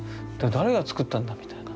誰が作ったんだみたいな。